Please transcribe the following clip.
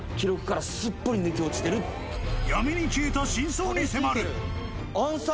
闇に消えた真相に迫る。